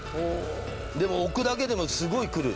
でも置くだけでもすごいくる。